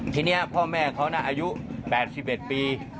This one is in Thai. ทีนี้พ่อแม่เขานะอายุ๘๑ปี